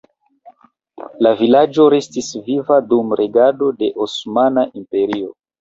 La vilaĝo restis viva dum regado de Osmana Imperio.